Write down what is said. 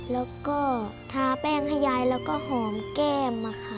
แล้วก็ทาแป้งให้ยายแล้วก็หอมแก้มค่ะ